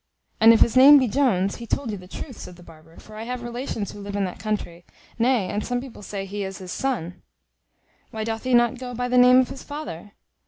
"And if his name be Jones, he told you the truth," said the barber; "for I have relations who live in that country; nay, and some people say he is his son." "Why doth he not go by the name of his father?"